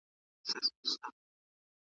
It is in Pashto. فقط لکه د فلم تماشې ته چي وتلي وي `